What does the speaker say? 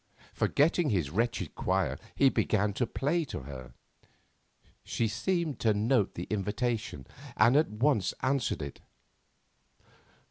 Forgetting his wretched choir, he began to play to her. She seemed to note the invitation, and at once answered to it.